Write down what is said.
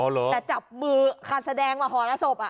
อ๋อเหรอแต่จับมือคาดแสดงมาห่อระศพ